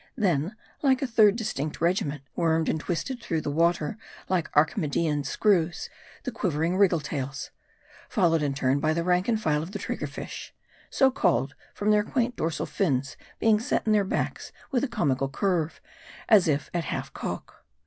Then, like a third distinct regiment, wormed and twisted through the water like Archimedean screws, the quivering Wriggle tails ; followed in turn by the rank and file of the Trigger fish so called from their quaint dorsal fins being set in their backs with a comical curve, as if at half cock.